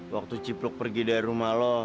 waktu cipluk pergi dari rumah lo